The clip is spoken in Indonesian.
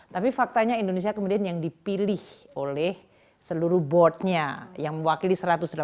tapi faktanya indonesia kemudian yang dipilih oleh seluruh boardnya yang mewakili satu ratus delapan puluh